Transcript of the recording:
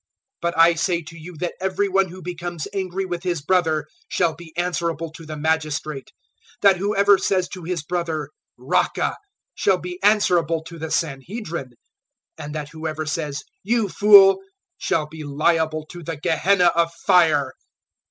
005:022 But I say to you that every one who becomes angry with his brother shall be answerable to the magistrate; that whoever says to his brother `Raca,' shall be answerable to the Sanhedrin; and that whoever says, `You fool!' shall be liable to the Gehenna of Fire.